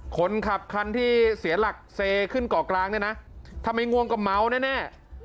คนขับคันที่เสียหลักเซขึ้นเกาะกลางเนี่ยนะถ้าไม่ง่วงก็เมาแน่